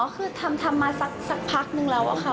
อ๋อคือทำมาสักพักหนึ่งแล้วค่ะ